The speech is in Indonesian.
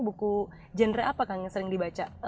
buku genre apa kang yang sering dibaca